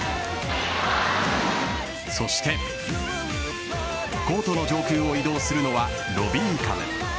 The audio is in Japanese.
そしてコートの上空を移動するのはロビーカム。